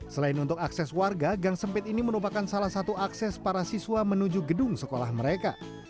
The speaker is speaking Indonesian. selain untuk akses warga gang sempit ini merupakan salah satu akses para siswa menuju gedung sekolah mereka